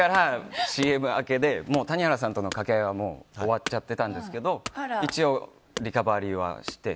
ＣＭ明けで谷原さんとの掛け合いは終わっちゃってたんですけど一応、リカバリーはして。